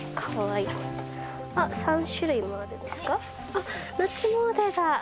あっ夏詣だ。